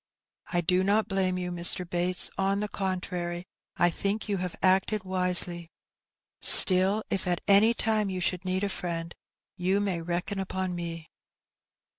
'^I do not blame you, Mr. Bates; on the contrary, I think you have acted wisely. Still, if at any time yon should need a finend, you may reckon upon me.''